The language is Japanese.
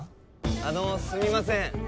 あのすみません